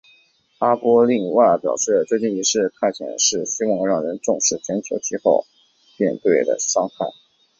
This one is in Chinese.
阿帕另外表示最近一次探险是希望让人们重视全球气候变迁对喜玛拉雅山的伤害。